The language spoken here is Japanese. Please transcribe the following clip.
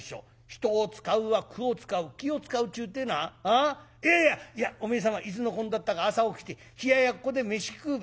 『人を使うは苦を使う』気を使うっちゅうてないやいやいやおめえ様いつのこんだったか朝起きて冷ややっこで飯食う